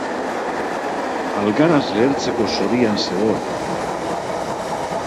Algaraz lehertzeko zorian zegoen.